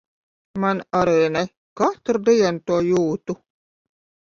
Man arī ne. Katru dienu to jūtu.